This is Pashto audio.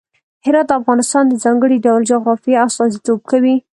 هرات د افغانستان د ځانګړي ډول جغرافیه استازیتوب کوي.